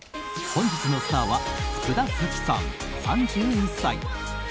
本日のスターは福田沙紀さん、３１歳。